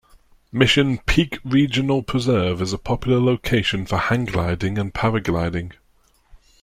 Mission Peak Regional Preserve is a popular location for hang gliding and paragliding.